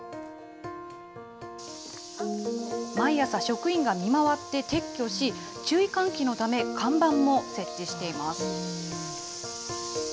毎朝、職員が見回って撤去し、注意喚起のため、看板も設置しています。